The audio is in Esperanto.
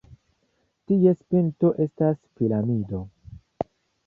Ties pinto estas piramido.